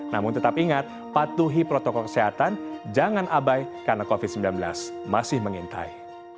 namun tetap ingat patuhi protokol kesehatan jangan abai karena covid sembilan belas masih mengintai